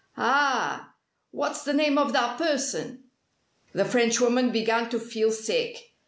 "Ah! What's the name of that person?" The Frenchwoman began to feel sick.